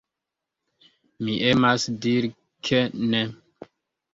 Mi emas diri ke ne.